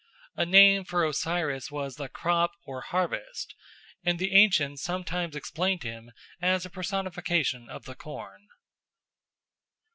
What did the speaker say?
A name for Osiris was the "crop" or "harvest"; and the ancients sometimes explained him as a personification of the corn.